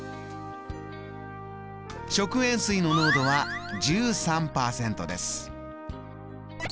食塩水の濃度は１３％です。